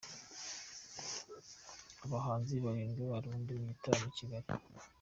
Abahanzi barindwi b’Abarundi mu gitaramo i Kigali